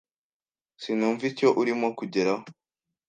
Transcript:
Sinumva icyo urimo kugeraho.